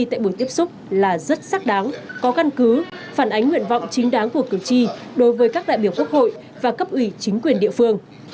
tại buổi tiếp xúc là rất xác đáng có căn cứ phản ánh nguyện vọng chính đáng của cử tri đối với các đại biểu quốc hội và cấp ủy chính quyền địa phương